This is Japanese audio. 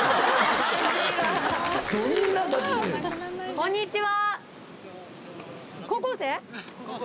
こんにちは。